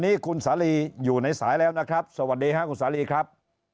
นี้คุณสาลีอยู่ในสายแล้วนะครับสวัสดีค่ะคุณสาลีครับ